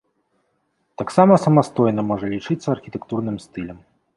Таксама самастойна можа лічыцца архітэктурным стылем.